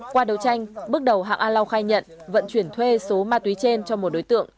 qua đấu tranh bước đầu hạ a lau khai nhận vận chuyển thuê số ma túy trên cho một đối tượng